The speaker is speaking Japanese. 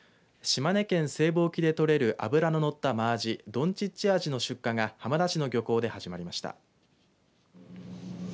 島根県西部沖で取れる脂の乗ったマアジ、どんちっちアジの出荷が浜田市の漁港で始まりました。